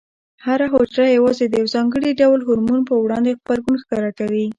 هره حجره یوازې د یو ځانګړي ډول هورمون په وړاندې غبرګون ښکاره کوي.